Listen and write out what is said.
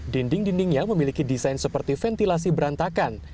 dinding dindingnya memiliki desain seperti ventilasi berantakan